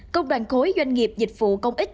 công đoàn khối doanh nghiệp dịch vụ công ích